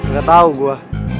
gak tau gue